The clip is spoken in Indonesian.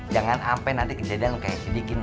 jangan ampe nanti kejadian lo kayak sidikin